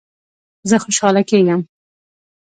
زه خوشحاله کیږم